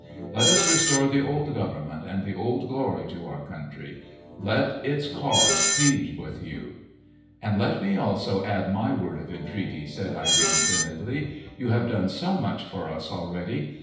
Let us restore the old government and the old glory to our country. Let its cause plead with you!" "And let me also add my word of entreaty," said Irene timidly. "You have done so much for us already.